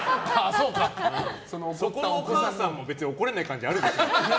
そこのお母さんも怒れない感じあるでしょ。